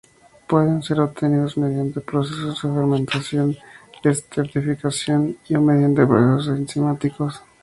Pueden ser obtenidos mediante procesos de fermentación, esterificación o mediante procesos enzimáticos.